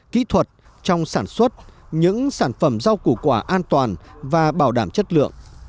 kỹ thuật trong sản xuất những sản phẩm rau củ quả an toàn và bảo đảm chất lượng